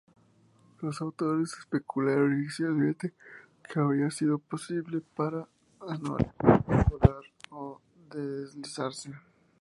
Los autores especularon inicialmente que habría sido posible para "Anchiornis" volar o deslizarse.